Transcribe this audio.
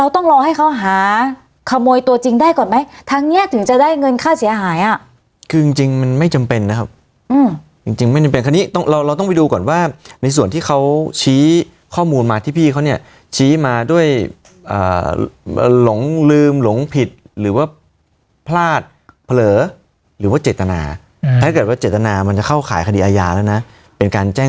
ต้องรอให้เขาหาขโมยตัวจริงได้ก่อนไหมทางเนี้ยถึงจะได้เงินค่าเสียหายอ่ะคือจริงจริงมันไม่จำเป็นนะครับจริงจริงไม่จำเป็นคราวนี้ต้องเราเราต้องไปดูก่อนว่าในส่วนที่เขาชี้ข้อมูลมาที่พี่เขาเนี่ยชี้มาด้วยหลงลืมหลงผิดหรือว่าพลาดเผลอหรือว่าเจตนาถ้าเกิดว่าเจตนามันจะเข้าขายคดีอาญาแล้วนะเป็นการแจ้ง